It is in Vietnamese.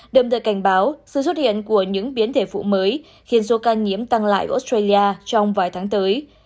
đậm tự cảnh báo sự xuất hiện của những biến thể vụ mới khiến số ca nhiễm tăng lại ở australia trong vài tháng tới